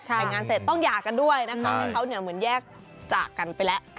แต่งงานเสร็จต้องหย่ากันด้วยนะคะให้เขาเหมือนแยกจากกันไปแล้ว